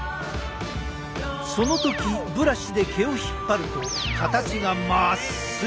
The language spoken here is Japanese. その時ブラシで毛を引っ張ると形がまっすぐに。